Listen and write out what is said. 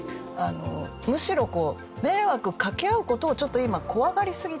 むしろ迷惑をかけ合う事をちょっと今怖がりすぎてて。